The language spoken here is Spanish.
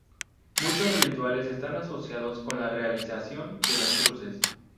Muchos rituales están asociados con la realización de las cruces.